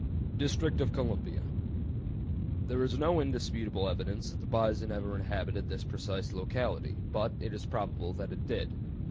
DISTRICT OF COLUMBIA. There is no indisputable evidence that the bison ever inhabited this precise locality, but it is probable that it did.